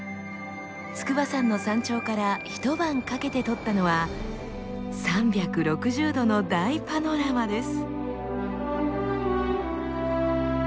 筑波山の山頂から一晩かけて撮ったのは３６０度の大パノラマです。